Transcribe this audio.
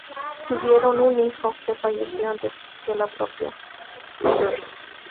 Tuvieron un hijo, que falleció antes que la propia Peters.